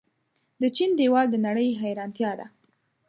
د چین دیوال د نړۍ حیرانتیا ده.